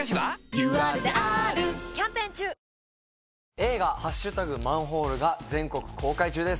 映画『＃マンホール』が全国公開中です。